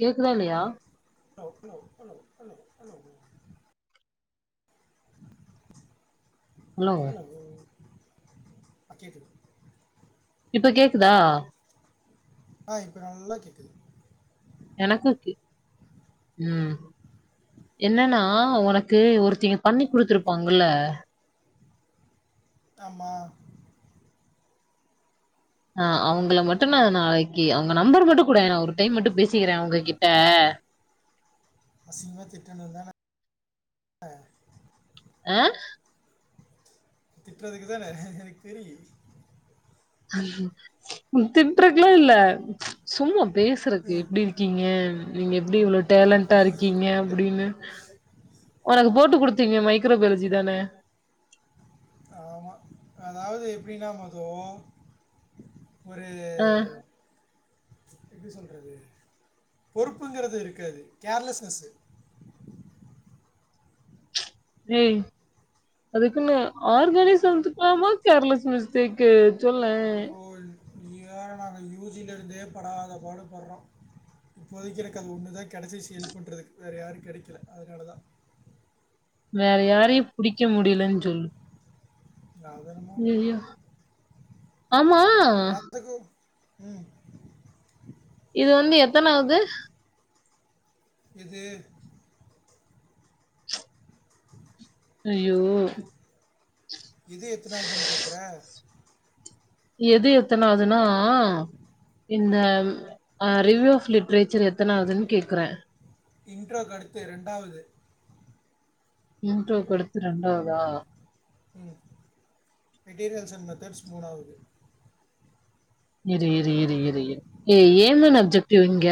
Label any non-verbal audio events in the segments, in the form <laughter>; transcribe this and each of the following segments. கேக்குதா இல்லயா hello hello <inaudible> hello ஆ கேக்குது இப்ப கேக்குதா ஆ இப்ப நல்லா கேக்குது எனக்கு <unintelligible> ம் என்னன்னா உனக்கு ஒருத்திங்க பண்ணி குத்துருப்பாங்கல்ல ஆமா ஆ அவங்கள மட்டு நா நாளைக்கு அவங்க நம்பர் மட்டு குடே நா ஒரு டைம் மட்டு பேசிக்கிறே அவங்க கிட்ட அசிங்கமா திட்டணு தான ஆ திட்றதுக்கு தானே எனக்கு தெரியு திட்றக்கலா இல்ல சும்மா பேசுறக்கு ம் எப்டிருக்கீங்க நீங்க எப்டி இவ்ளோ டேலண்டாருக்கீங்க அப்டினு உனக்கு போட்டு குடு நீங்க மைக்ரோ பயாலஜி தான ஆமா அதாவது எப்டின்னா மது ஒரு ஆ எப்டி சொல்றது பொறுப்புங்றது இருக்காது கேர்லஸ்னஸ் ஏய் அதுக்குன்னு ஆர்கானி சத்து <unintelligible> கேர்லஸ் மிஸ்டேக்கு சொல்லே நீ வேற நாங்க யூஜி லருந்தே படாத பாடுபட்றோ இப்போதைக்கு எனக்கு அது ஒண்ணுதா கெடசிச்சி கெல்ப் பண்றதுக்கு வேற யாரு கெடைக்கல அதனாலதா வேற யாரையு புடிக்க முடியலன் சொல்லு <unintelligible> ஆமா எல்லாத்துக்கும் ம் இது வந்து எத்தனாவது இது ஐய்யோ இது எத்தனாவதுன்னு கேக்குற எது எத்தனாவதுன்னா இந்த அ ரிவ்யூ ஆஃப் லிட்ரேச்சர் எத்தனாவதுன்னு கேக்குறே இன்ட்ரோ கடுத்து ரெண்டாவது இன்ட்ரோகொடுத்து ரெண்டாவதா உம் மெட்டீரியல்ஸ் அண்ட் மெத்தட்ஸ் மூணாவது இரு இரு இரு இரு இரு ஏ ஏமன் அப்ஜெக்டிவ் எங்க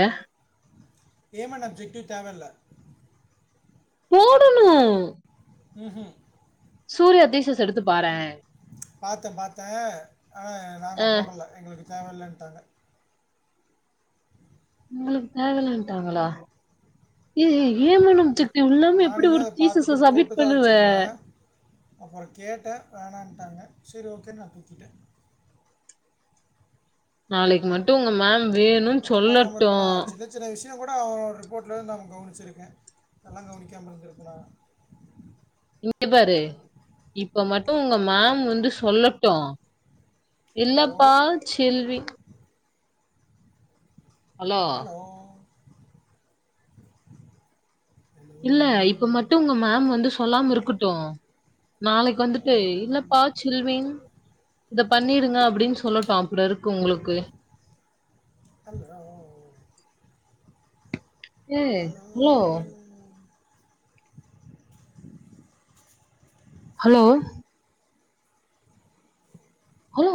ஏமன் அப் ஜெக்டிவ் தேவல்ல போடணு உம்ஹும் சூரிய தீஸஸ் எடுத்து பாரே பாத்தே பாத்தே ஆஹ் நாங்க அஹ், போடல எங்களுக்கு தேவ இல்லன்ட்டாங்க உங்களுக்கு தேவல்லட்டாங்களா இது ஏமனம்துக் கு உள்ளாம எப்டி நானுமே ஒரு அதை தீசச்ச சப்மிட் பண்ணுவ அப்புறொ கேட்டே வேணான்ட்டாங்க சரி ஓகே நா தூக்கிட்டே நாளைக்கு மட்டு உங்க மேம் வேணு சொல்லட்டு யகூட அவ ரிப்போட்ல இருந்து நாவ கவனிச்சிருக்கே அதெல்லா கவனிக்காம இருந்திருப்பனா இங்க பாரு இப்ப மட்டு உங்க மேம் வந்து சொல்லட்டு ஹலோ இல்லப்பா செல்வி ஹலோ ஹலோ இல்ல இப்ப மட்டு உங்க மேம் வந்து சொல்லாம இருக்கட்டு நாளைக்கு வந்துட்டு இல்லப்பா ஹலோ சில்வின் இத பண்ணிடுங்க அப்டின் சொல்லட்டு அப்றோ இருக்கு உங்களுக்கு அல்லா ஓ ஏ ஹலோ ஹலோ ஹலோ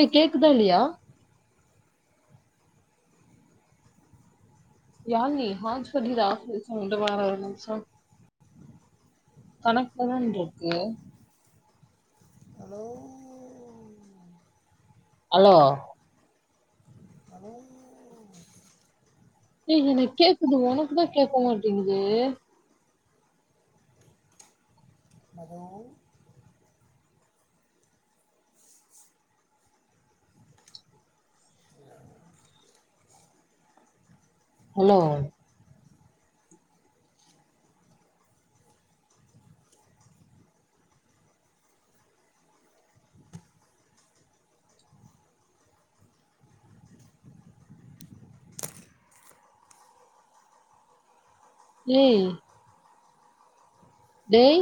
ஏய் கேக்குதா இல்லையா யா நீ ஹா சொல்லிதாச ச முட வாரவணச்ச கனக்ட்லதான்ருக்கு ஹலோ அலோ ஹலோ டே நீ ந கேக்குது ஒனக்குதா கேக்க மாட்டேங்குது ஹலோ ஹலோ ஏய் டேய்